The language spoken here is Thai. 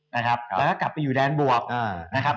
แล้วก็กลับไปอยู่แดนบวกนะครับ